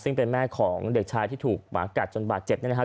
ซึ่งเป็นแม่ของเด็กชายที่ถูกหมากัดจนบาดเจ็บเนี่ยนะครับ